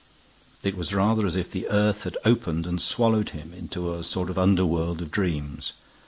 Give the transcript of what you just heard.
It was rather as if the earth had opened and swallowed him into a sort of underworld of dreams.